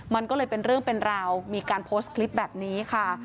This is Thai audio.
มันก็เลยเป็นเรื่องเป็นราวมีการโพสต์คลิปแบบนี้ค่ะ